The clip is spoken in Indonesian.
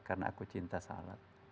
karena aku cinta salat